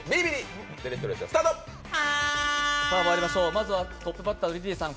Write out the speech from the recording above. まずはトップバッターのリリーさん